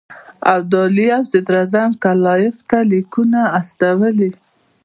ابدالي او صدراعظم کلایف ته لیکونه استولي.